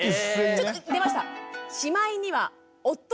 ちょっと出ました！